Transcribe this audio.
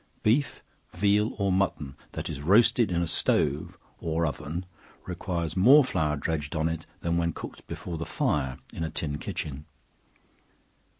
Beef, veal, or mutton, that is roasted in a stove or oven requires more flour dredged on it than when cooked before the fire in a tin kitchen.